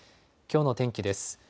きょうの天気です。